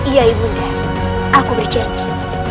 iya ibunya aku berjanji